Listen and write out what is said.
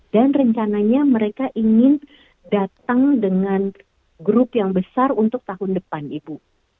dan rencananya mereka ingin datang dengan grup yang besar untuk tahun depan ibu